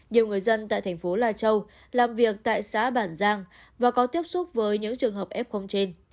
nhiều người dân tại thành phố lai châu làm việc tại xã bản giang và có tiếp xúc với những trường hợp f trên